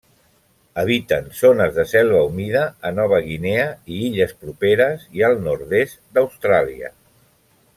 Habiten zones de selva humida, a Nova Guinea i illes properes, i al nord-est d'Austràlia.